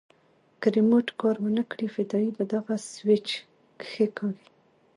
که ريموټ کار ونه کړي فدايي به دغه سوېچ کښېکاږي.